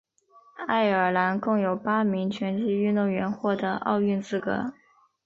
爱尔兰共有八名拳击运动员获得奥运资格。